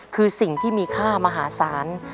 คือสิ่งที่มีค่ามหาศาล